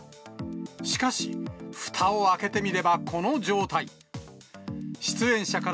しかし、ふたを開けてみればこの状態。